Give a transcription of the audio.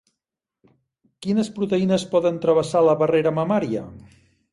Quines proteïnes poden travessar la barrera mamària?